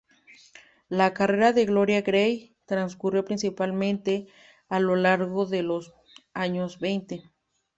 La carrera de Gloria Grey transcurrió principalmente a lo largo de los años veinte.